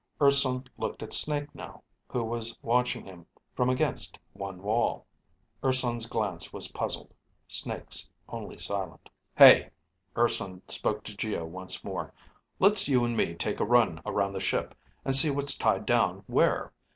Urson looked at Snake now, who was watching him from against one wall. Urson's glance was puzzled. Snake's only silent. "Hey." Urson spoke to Geo once more. "Let's you and me take a run around this ship and see what's tied down where.